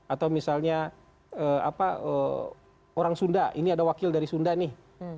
atau misalnya orang sunda ini ada wakil dari sunda nih